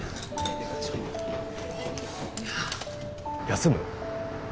休む？